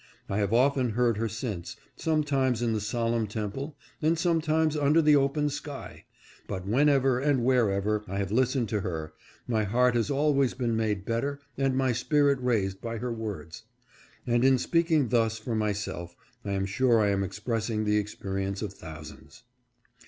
I have often heard her since, some times in the solemn temple, and sometimes under the open sky, but whenever and wherever I have listened to her, my heart has always been made better and my spirit raised by her words ; and in speaking thus for myself I am sure I am expressing the experience of thousands.